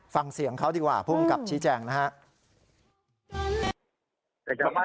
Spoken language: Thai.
ฟังเสียงเขาดีกว่าผู้กำกับชี้แจงนะครับ